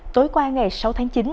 tối qua ngày sáu tháng chín